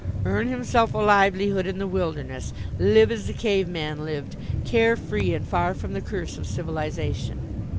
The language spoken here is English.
"Earn himself a livelihood in the wilderness, live as the cave man lived, carefree and far from the curse of civilization!"